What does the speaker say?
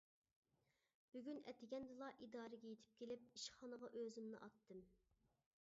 بۈگۈن ئەتىگەندىلا ئىدارىگە يېتىپ كېلىپ ئىشخانىغا ئۆزۈمنى ئاتتىم.